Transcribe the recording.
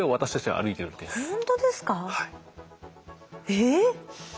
えっ。